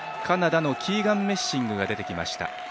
カナダのキーガン・メッシングが出てきました。